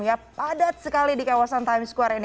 ya padat sekali di kawasan times square ini